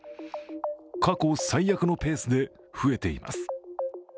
過去最悪のペースで増えています。